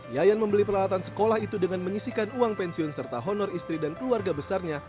yayan membeli peralatan sekolah itu dengan menyisikan uang pensiun serta honor istri dan keluarga besarnya